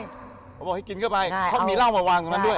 บ๊วยเจมส์เขาบอกให้กินก็ไปเขามีเหล้ามาวางตรงนั้นด้วย